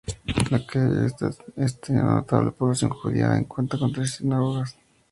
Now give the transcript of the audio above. Lakeview East tiene una notable población judía y cuenta con tres sinagogas.